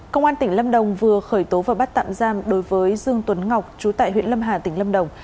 công an tỉnh lâm đồng vừa khởi tố và bắt tạm giam đối với dương tuấn ngọc chú tại huyện lâm hà tỉnh lâm đồng